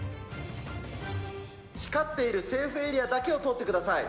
光っているセーフエリアだけを通ってください。